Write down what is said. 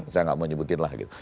saya nggak mau nyebutin lah gitu